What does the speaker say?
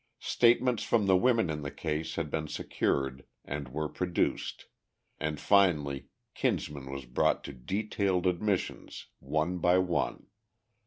Statements from the women in the case had been secured, and were produced, and finally Kinsman was brought to detailed admissions, one by one.